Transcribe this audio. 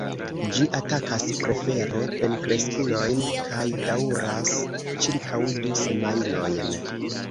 Ĝi atakas prefere plenkreskulojn kaj daŭras ĉirkaŭ du semajnojn.